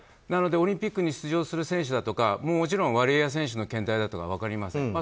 なので、オリンピックに出場する選手だとか、もちろんワリエワ選手の検体だとは分かりません。